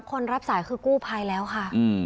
คนรับสายคือกู้ภัยแล้วค่ะ